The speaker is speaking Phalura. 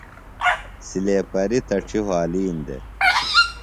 سلیپریۡ تڇیۡ وھالِین دےۡ۔